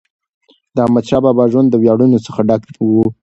د احمدشاه بابا ژوند د ویاړونو څخه ډک و.